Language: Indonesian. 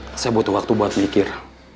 saya butuh waktu buat mikir